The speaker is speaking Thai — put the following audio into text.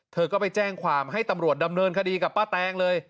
เธอก็ไปแจ้งความให้ตำรวจดำเนินคดีกับป้าแตงเลย